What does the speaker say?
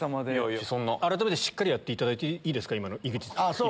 改めてしっかりやっていただいていいですか？